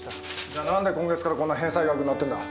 じゃ何で今月からこんな返済額になってるんだ？